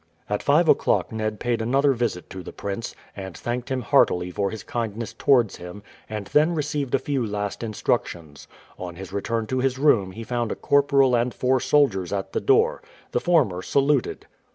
At five o'clock Ned paid another visit to the prince, and thanked him heartily for his kindness towards him, and then received a few last instructions. On his return to his room he found a corporal and four soldiers at the door. The former saluted.